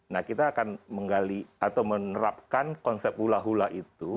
nah kita akan menggali atau menerapkan konsep hula hula itu